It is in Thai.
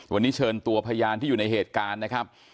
วันนี้เชิญตัวพยานที่อยู่ในเหตุการณ์นะครับ